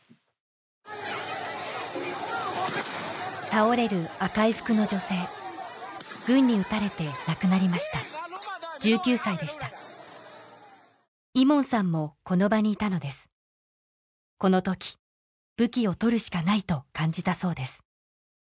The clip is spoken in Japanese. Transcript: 倒れる赤い服の女性軍に撃たれて亡くなりました１９歳でしたイモンさんもこの場にいたのですこの時武器を取るしかないと感じたそうです